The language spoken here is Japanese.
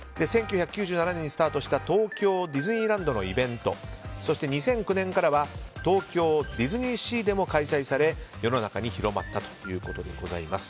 １９９７年にスタートした東京ディズニーランドのイベントそして２００９年からは東京ディズニーシーでも開催され、世の中に広まったということでございます。